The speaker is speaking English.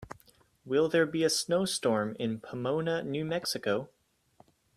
Will there be a snowstorm in Pomona, New Mexico?